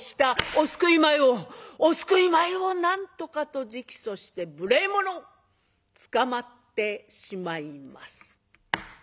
「お救い米をお救い米をなんとか！」と直訴して「無礼者！」。捕まってしまいます。